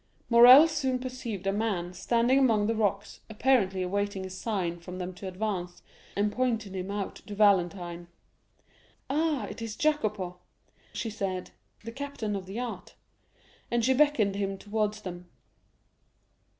Morrel soon perceived a man standing among the rocks, apparently awaiting a sign from them to advance, and pointed him out to Valentine. "Ah, it is Jacopo," she said, "the captain of the yacht;" and she beckoned him towards them.